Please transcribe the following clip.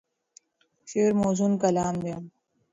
شعر موزون کلام دی.